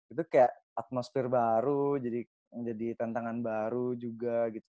itu kayak atmosfer baru jadi tantangan baru juga gitu